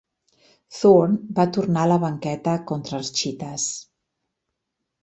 Thorne va tornar a la banqueta contra els Cheetahs.